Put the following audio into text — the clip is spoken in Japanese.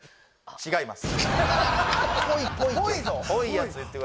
違います